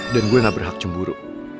dan gue nggak berhak cemburu